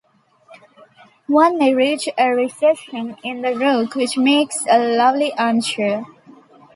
One may reach a recession in the rock which makes a lovely armchair.